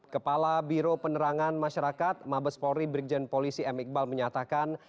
kepala biro penerangan masyarakat mabes polri brigjen polisi m iqbal menyatakan